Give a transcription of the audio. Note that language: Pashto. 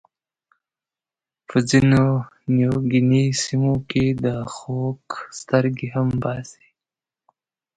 په ځینو نیوګیني سیمو کې د خوک سترګې هم باسي.